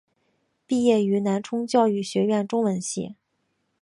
毕业于南充教育学院中文系。